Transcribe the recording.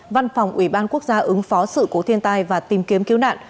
văn phòng ủy ban quốc gia ứng phó sự cố thiên tai và tìm kiếm cứu nạn